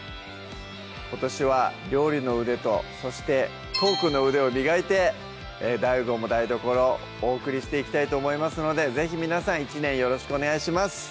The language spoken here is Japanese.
今年は料理の腕とそしてトークの腕を磨いてＤＡＩＧＯも台所お送りしていきたい是非皆さん一年よろしくお願いします